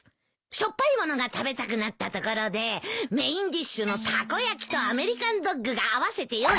しょっぱい物が食べたくなったところでメインディッシュのたこ焼きとアメリカンドッグが合わせて４５０円。